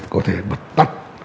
có thể bật tắt